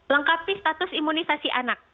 lengkapi status imunisasi anak